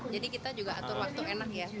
jadi kita juga atur waktu enak ya